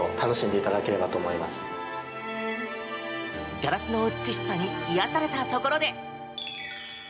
ガラスの美しさに癒やされたところで。